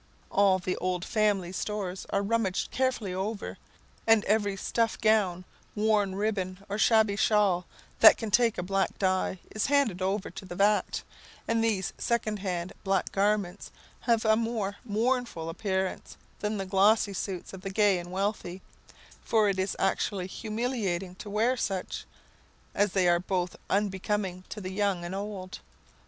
All the old family stores are rummaged carefully over, and every stuff gown, worn ribbon, or shabby shawl, that can take a black dye, is handed over to the vat; and these second hand black garments have a more mournful appearance than the glossy suits of the gay and wealthy, for it is actually humiliating to wear such, as they are both unbecoming to the young and old.